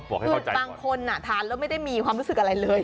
คือบางคนทานแล้วไม่ได้มีความรู้สึกอะไรเลย